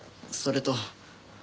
それと。